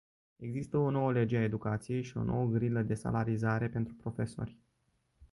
Există o nouă lege a educației și o nouă grilă de salarizare pentru profesori.